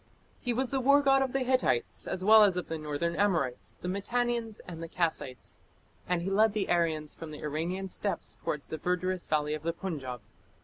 He was the war god of the Hittites as well as of the northern Amorites, the Mitannians, and the Kassites; and he led the Aryans from the Iranian steppes towards the verdurous valley of the Punjab.